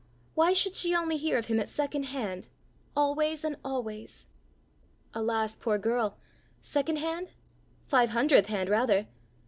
Why should she only hear of him at second hand always and always? Alas, poor girl! second hand? Five hundredth hand rather?